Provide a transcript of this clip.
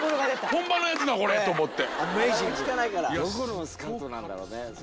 本場のやつだこれと思って。